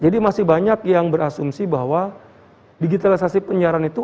digitalisasi penyiaran itu